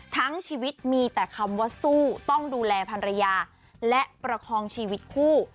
ทั้งชีวิตมีแต่คำว่าสู้ต้องดูแลภรรยาและประคองชีวิตคู่